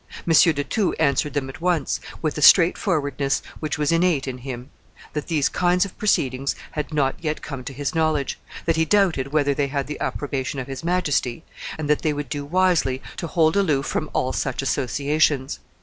M. de Thou answered them at once, with that straightforwardness which was innate in him, that these kinds of proceedings had not yet come to his knowledge, that he doubted whether they had the approbation of his Majesty, and that they would do wisely to hold aloof from all such associations.